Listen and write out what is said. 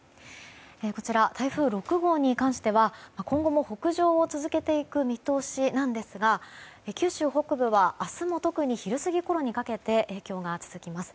こちら、台風６号に関しては今後も北上を続けていく見通しなんですが九州北部は明日も特に昼過ぎごろにかけて影響が続きます。